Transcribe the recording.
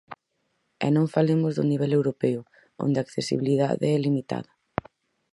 E non falemos do nivel europeo, onde a accesibilidade é limitada.